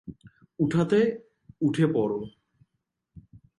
উঠাতে উঠে পড়।